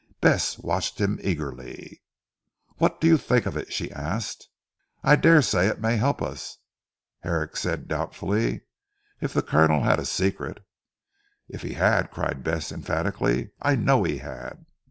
Bess watched him eagerly. "What do you think of it?" she asked. "I daresay it may help us," Herrick said doubtfully, "if the Colonel had a secret?" "If he had," cried Bess emphatically. "I know he had!"